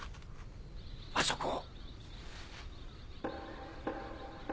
あそこを。